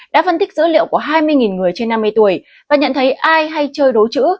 đã phân tích dữ liệu của hai mươi người trên năm mươi tuổi và nhận thấy ai hay chơi đố chữ